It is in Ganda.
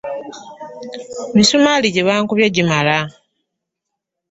Emisumaali gye mbakubye gimala.